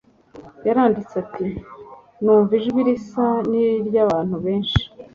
yaranditse ati: «Numva ijwi risa n'iry'abantu benshi,